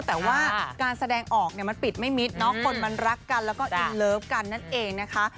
แต่ว่าการแสดงออกเนี่ยมันปิดไม่มิดเนาะคนมันรักกันแล้วก็อินเลิฟกันนั่นเองนะคะ